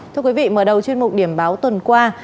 thưa quý vị mở đầu chuyên mục điểm báo tuần qua